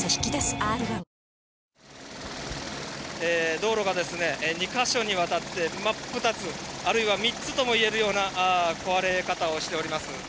道路がですね、２か所にわたって真っ二つ、あるいは３つともいえるような壊れ方をしております。